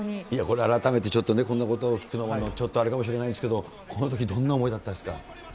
いや、これは改めてこれちょっとこんなことを聞くのはちょっとあれかもしれないですけど、このとき、どんな思いだったですか。